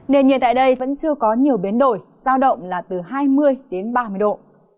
nền nhiệt tại đây vẫn chưa có nhiều biến đổi giao động là từ hai mươi đến ba mươi độ